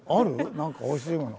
なんか欲しいもの。